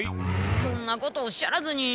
そんなことおっしゃらずに。